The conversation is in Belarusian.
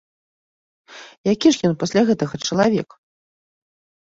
Які ж ён пасля гэтага чалавек?